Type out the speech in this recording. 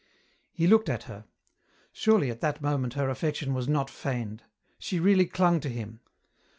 He looked at her. Surely at that moment her affection was not feigned. She really clung to him.